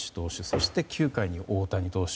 そして、９回に大谷投手。